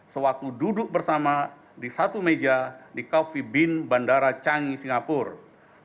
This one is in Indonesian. sewaktu duduk bersama di satu meja di coffee bin bandara changi singapura